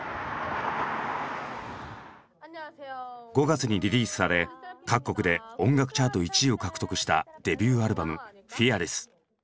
５月にリリースされ各国で音楽チャート１位を獲得したデビューアルバム「ＦＥＡＲＬＥＳＳ」。